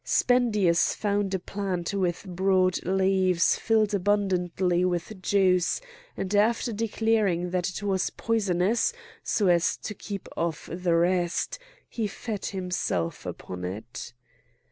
Spendius found a plant with broad leaves filled abundantly with juice, and after declaring that it was poisonous, so as to keep off the rest, he fed himself upon it.